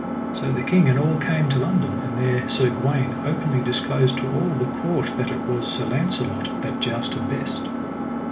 So the king and all came to London, and there Sir Gawaine openly disclosed to all the court that it was Sir Launcelot that jousted best.